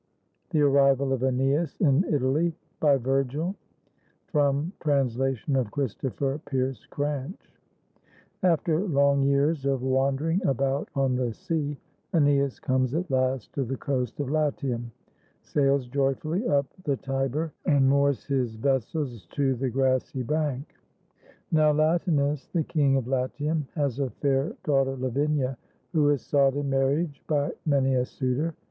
THE ARRIVAL OF ^NEAS IN ITALY BY VIRGIL (From translation of Christopher Pearse Cranch) [After long years of wandering about on the sea, ^neas comes at last to the coast of Latium, sails joyfully up the Tiber, and moors his vessels to the grassy bank. Now Latinus, the King of Latium, has a fair daughter Lavinia, who is sought in marriage by many a suitor.